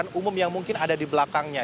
pemilihan umum yang mungkin ada di belakangnya